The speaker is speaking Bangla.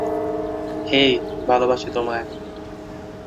হেই, ভালোবাসি তোমায়।